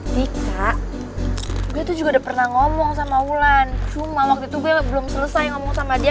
dika gue tuh juga udah pernah ngomong sama wulan cuma waktu itu gue belum selesai ngomong sama dia